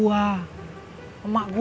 obat buat emak gue